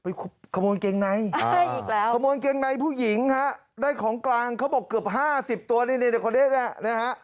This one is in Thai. ไปขโมนเกงไนขโมนเกงไนผู้หญิงได้ของกลางเขาบอกเกือบ๕๐ตัวในเด็กนี้